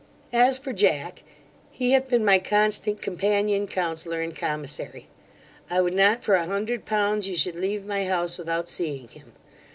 'As for Jack, he hath been my constant companion, counsellor, and commissary. I would not for a hundred pounds you should leave my house without seeing him.